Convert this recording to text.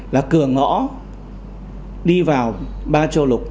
là cửa ngõ đi vào ba châu lục châu phi